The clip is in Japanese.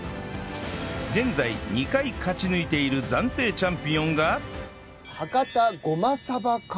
現在２回勝ち抜いている暫定チャンピオンがはあ。